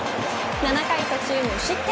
７回途中無失点。